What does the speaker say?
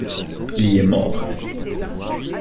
Il y est mort.